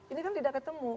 ini kan tidak ketemu